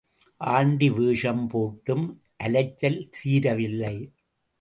Aunty வேஷம் போட்டும் அலைச்சல் தீரவில்லை.